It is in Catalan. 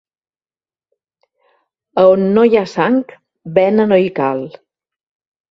A on no n'hi ha sang vena no hi cal.